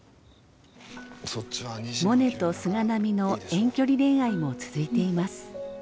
モネと菅波の遠距離恋愛も続いています。